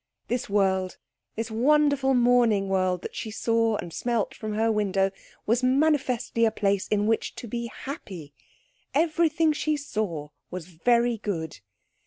This world, this wonderful morning world that she saw and smelt from her window, was manifestly a place in which to be happy. Everything she saw was very good.